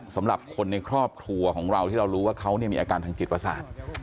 สำหรับคนในครอบครัวของเราที่เรารู้ว่าเขามีอาการทางจิตประสาท